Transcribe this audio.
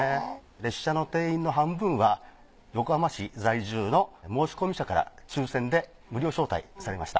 列車の定員の半分は横浜市在住の申し込み者から抽選で無料招待されました。